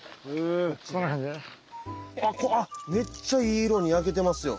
あっめっちゃいい色に焼けてますよ。